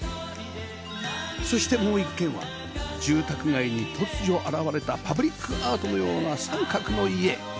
そしてもう一軒は住宅街に突如現れたパブリックアートのような△の家